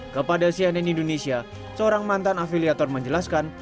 kepada cnn indonesia seorang mantan afiliator menjelaskan